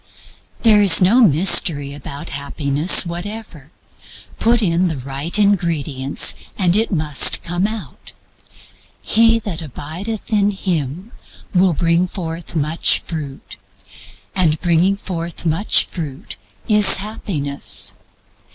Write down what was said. There is no mystery about Happiness whatever. Put in the right ingredients and it must come out. He that abideth in Him will bring forth much fruit; and bringing forth much fruit is Happiness.